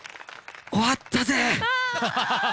終わったぜ！